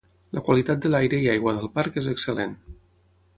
La qualitat de l'aire i aigua del Parc és excel·lent.